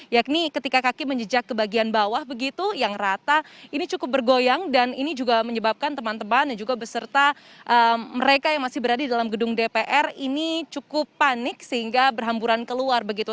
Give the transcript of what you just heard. yakni ketika kaki menjejak ke bagian bawah begitu yang rata ini cukup bergoyang dan ini juga menyebabkan teman teman dan juga beserta mereka yang masih berada di dalam gedung dpr ini cukup panik sehingga berhamburan keluar begitu